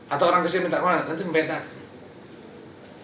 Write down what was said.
atau orang kaya minta pengawalan nanti membedakan